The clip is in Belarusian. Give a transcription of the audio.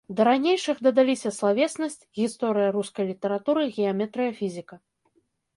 Да ранейшых дадаліся славеснасць, гісторыя рускай літаратуры, геаметрыя, фізіка.